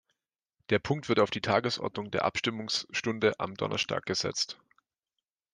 Der Punkt wird auf die Tagesordnung der Abstimmungsstunde am Donnerstag gesetzt.